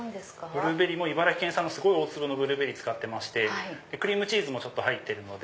ブルーベリーも茨城県産の大粒の使ってましてクリームチーズも入ってるので。